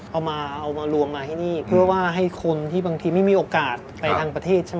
เอามาลวงมาในนี่เพื่อว่าดีให้คนที่ไม่มีโอกาสไปทางประเทศ